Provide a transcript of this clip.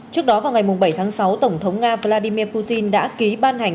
trước đó vào ngày bảy tháng sáu tổng thống nga vladimir putin đã ký ban hành